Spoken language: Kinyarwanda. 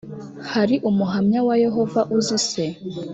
hari umuhamya wa yehova uzise?